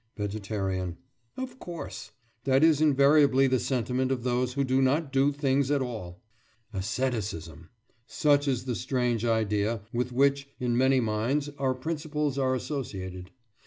VEGETARIAN: Of course. That is invariably the sentiment of those who do not do things at all. Asceticism! such is the strange idea with which, in many minds, our principles are associated.